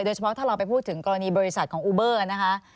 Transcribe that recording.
เฉพาะถ้าเราไปพูดถึงกรณีบริษัทของอูเบอร์นะคะ